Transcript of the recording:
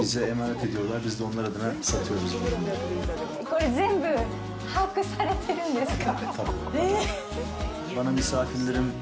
これ、全部、把握されてるんですか！？